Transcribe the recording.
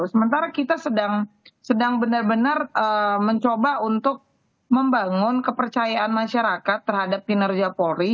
sementara kita sedang benar benar mencoba untuk membangun kepercayaan masyarakat terhadap kinerja polri